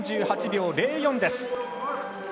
３８秒０４です。